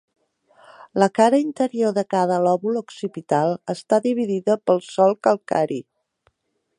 La cara interior de cada lòbul occipital està dividida pel solc calcari.